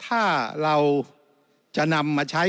ถ้าเราจะนำมาใช้